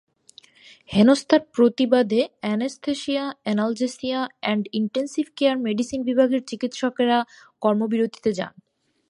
হেনস্তার প্রতিবাদে anaesthesia, analgesia and intensive care medicine বিভাগের চিকিৎসকেরা কর্মবিরতিতে যান।